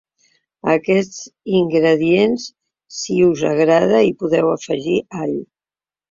A aquesta ingredients si us agrada hi podeu afegir all.